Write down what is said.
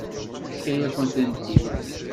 Tefka-yakent-tent-id.